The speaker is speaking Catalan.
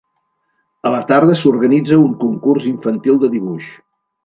A la tarda s'organitza un concurs infantil de dibuix.